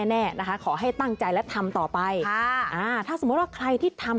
แน่นะคะขอให้ตั้งใจและทำต่อไปค่ะอ่าถ้าสมมุติว่าใครที่ทำ